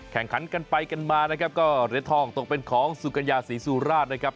แข่งขันกันไปกันมานะครับก็เหรียญทองตกเป็นของสุกัญญาศรีสุราชนะครับ